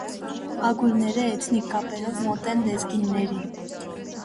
Ագուլները էթնիկ կապերով մոտ են լեզգիներին։